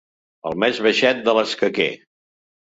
El més baixet de l'escaquer.